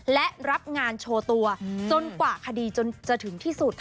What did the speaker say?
และรับงานโชว์ตัวจนกว่าคดีจนจะถึงที่สุด